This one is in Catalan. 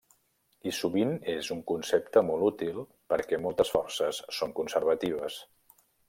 I sovint és un concepte molt útil perquè moltes forces són conservatives.